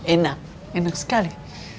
enak enak sekali